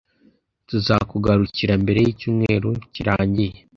tuzakugarukira mbere yicyumweru kirangiye